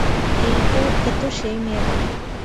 এ তো সেই মেয়ে নয়।